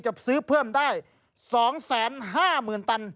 จะซื้อเพิ่มได้๒๕๐๐๐ตัน